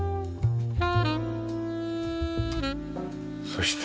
そして。